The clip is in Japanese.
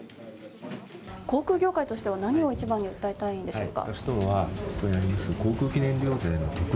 航空業界としては何を一番に訴えたいんでしょうか？